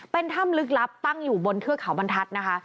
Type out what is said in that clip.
เป็นถ้ำลึกลับตั้งอยู่บนเทือกเขาบรรทัศน์นะคะ